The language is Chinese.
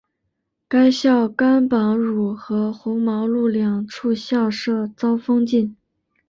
该校甘榜汝和红毛路两处校舍遭封禁。